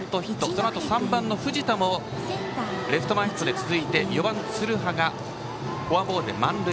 そのあと３番の藤田もレフト前ヒットで続き４番の鶴羽がフォアボールで満塁。